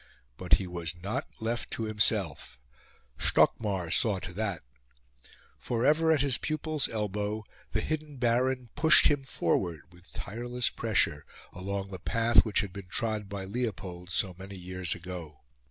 But he was not left to himself: Stockmar saw to that. For ever at his pupil's elbow, the hidden Baron pushed him forward, with tireless pressure, along the path which had been trod by Leopold so many years ago.